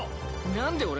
何で俺が？